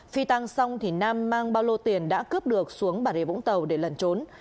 phi tăng xong nam mang bao lô tiền đã cướp được xuống bà rề vũng tàu để lẩn trốn